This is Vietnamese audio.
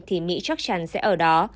thì mỹ chắc chắn sẽ ở đó